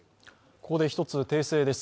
ここで１つ訂正です。